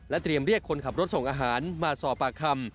เตรียมเรียกคนขับรถส่งอาหารมาสอบปากคำ